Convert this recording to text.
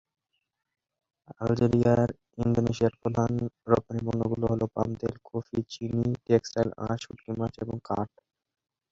আলজেরিয়ায়, ইন্দোনেশিয়ার প্রধান রপ্তানি পণ্যগুলো হল, পাম তেল, কফি, চিনি, টেক্সটাইল আঁশ, শুঁটকি মাছ এবং কাঠ।